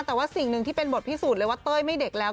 แต่ว่าสิ่งหนึ่งที่เป็นบทพิสูจน์เลยว่าเต้ยไม่เด็กแล้ว